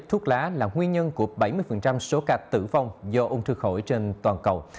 thuốc lá là nguyên nhân của bảy mươi số ca tử vong do ung thư phổi trên toàn cầu